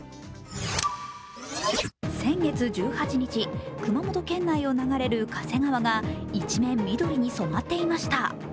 先月１８日、熊本県内を流れる加勢川が一面緑に染まっていました。